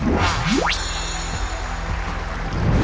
ตอบถูก๒ข้อรับ๑๐๐๐๐บาท